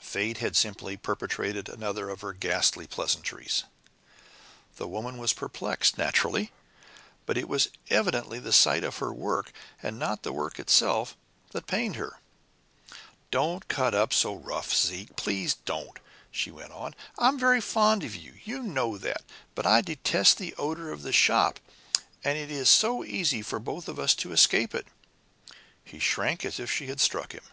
Fate had simply perpetrated another of her ghastly pleasantries! The woman was perplexed naturally! But it was evidently the sight of her work, and not the work, itself, that pained her. "Don't cut up so rough, Zeke, please don't," she went on. "I'm very fond of you you know that but I detest the odor of the shop, and it is so easy for us both to escape it." He shrank as if she had struck him.